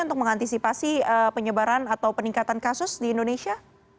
untuk mengantisipasi penyebaran atau peningkatan kasus di indonesia